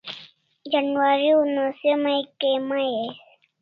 Janwari una se mai kai mai ais